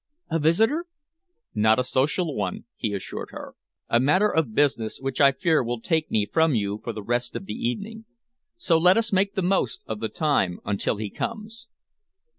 "A visitor?" "Not a social one," he assured her. "A matter of business which I fear will take me from you for the rest of the evening. So let us make the most of the time until he comes."